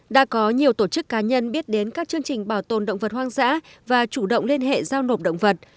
đã có nhiều tổ chức cá nhân biết đến các chương trình bảo tồn động vật hoang dã và chủ động liên hệ giao nộp động vật